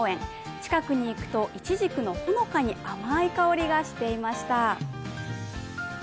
近くに行くと、いちじくのほのかに甘い香りがしていました。